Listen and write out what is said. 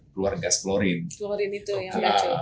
keluar gas klorin klorin itu yang